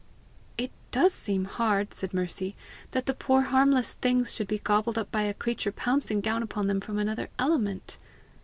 "It does seem hard," said Mercy, "that the poor harmless things should be gobbled up by a creature pouncing down upon them from another element!"